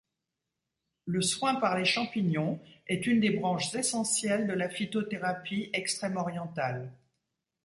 Le soin par les champignons est une des branches essentielles de la phytothérapie extrême-orientale.